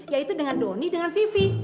yaitu dengan doni dengan vivi